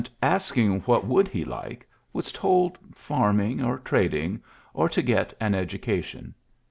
GEA2fT asking what would he like^ was hole fanning or trading or to get an ednca tion.